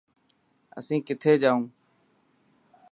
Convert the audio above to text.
اسين ڪٿي جائون.